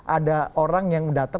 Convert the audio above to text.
ada orang yang datang